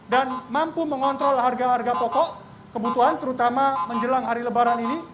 dan mampu mengontrol harga harga pokok kebutuhan terutama menjelang hari lebaran ini